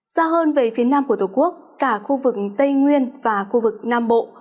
xa hơn về phía nam của tổ quốc cả khu vực tây nguyên và khu vực nam bộ